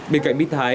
bên cạnh mít thái